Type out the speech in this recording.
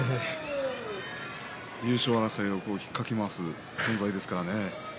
優勝争いをひっかき回す存在ですからね。